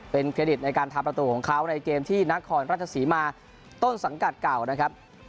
เป็นเครดิตในการทำประตูของเขาในเกมที่นครราชศรีมาต้นสังกัดเก่านะครับ